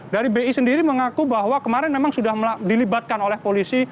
dari bi sendiri mengaku bahwa kemarin memang sudah dilibatkan oleh polisi